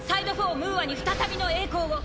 ムーアに再びの栄光を。